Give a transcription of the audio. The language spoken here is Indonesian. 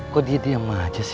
kok diam aja sih